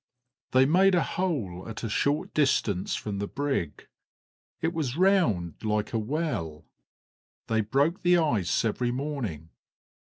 They made a hole at a short distance from the brig; it was round, like a well; they broke the ice every morning.